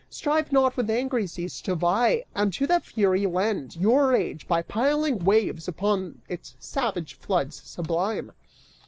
Strive not with angry seas to vie and to their fury lend Your rage by piling waves upon its savage floods sublime